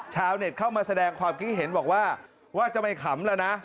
ชาวเน็ตเข้ามาแสดงความคิดเห็นบอกว่าว่าจะไม่ขำแล้วนะ